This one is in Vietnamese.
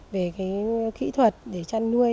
về kỹ thuật để chăn bụng